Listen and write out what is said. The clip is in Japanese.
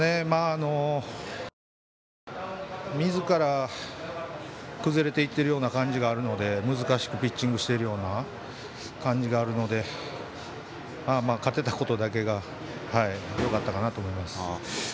みずから崩れていってるような感じがあるので難しくピッチングしているような感じがあるので勝てたことだけがよかったかなと思います。